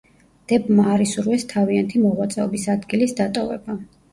დებმა არ ისურვეს თავიანთი მოღვაწეობის ადგილის დატოვება.